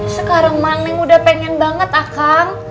sekarang mah neng udah pengen banget akan